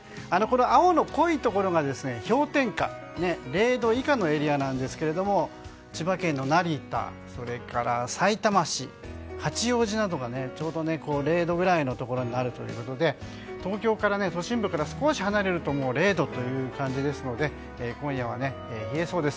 青の濃いところが氷点下０度以下のエリアなんですが千葉県の成田、さいたま市八王子などがちょうど０度ぐらいのところになるということで東京から都心部から少し離れるともう０度という感じですので今夜は冷えそうです。